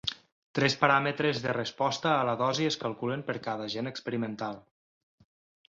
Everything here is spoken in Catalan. Tres paràmetres de resposta a la dosis es calculen per a cada agent experimental.